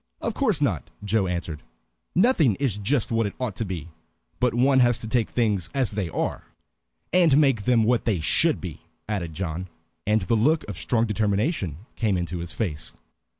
"Of course not," Joe answered. "Nothing is just what it ought to be. But one has to take things as they are." "And make them what they should be," added John, and the look of strong determination came into his face.